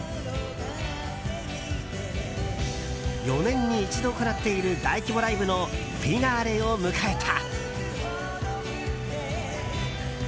４年に一度行っている大規模ライブのフィナーレを迎えた。